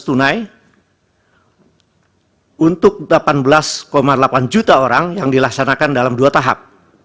tunai untuk delapan belas delapan juta orang yang dilaksanakan dalam dua tahap